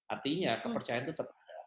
artinya kepercayaan tetap ada